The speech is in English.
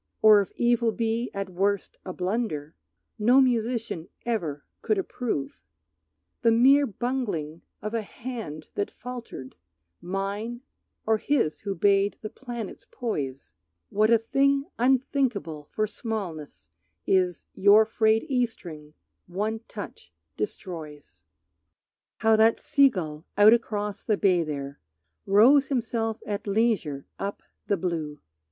Or if evil be at worst a blunder No musician ever could approve, The mere bungling of a hand that faltered, Mine or his who bade the planets poise, What a thing unthinkable for smallness Is your frayed E string one touch destroys. How that sea gull out across the bay there Rows himself at leisure up the blue!